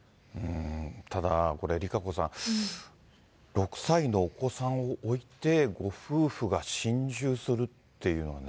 ただ、これ、ＲＩＫＡＣＯさん、６歳のお子さんを置いて、ご夫婦が心中するっていうのはね。